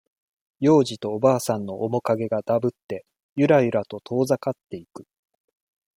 幼児とおばあさんの面影がだぶって、ゆらゆらと遠ざかっていく。